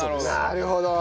なるほど。